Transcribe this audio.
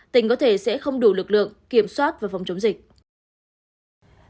tỉnh có thể sẽ không đủ lực lượng kiểm soát và phòng chống dịch